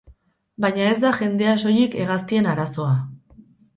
Baina ez da jendea soilik hegaztien arazoa.